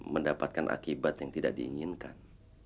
mendapatkan akibat yang tidak diinginkan